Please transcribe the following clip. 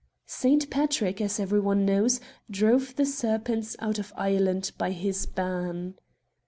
Saint Patrick, as every one knows, drove the serpents out of Ireland by his ban.